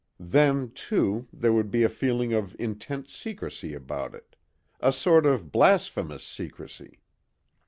Then, too, there would be a feeling of intense secrecy about it, a sort of blasphemous secrecy.